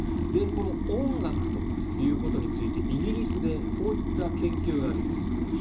この音楽ということについてイギリスでこういった研究があります。